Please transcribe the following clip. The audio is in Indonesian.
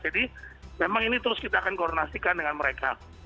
jadi memang ini terus kita akan koordinasikan dengan mereka